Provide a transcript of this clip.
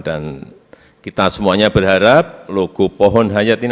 dan kita semuanya berharap logo pohon hayat ini